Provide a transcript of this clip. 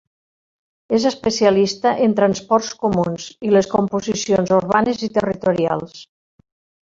És especialista en transports comuns i les composicions urbanes i territorials.